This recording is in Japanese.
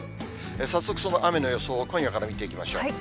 早速その雨の予想を今夜から見ていきましょう。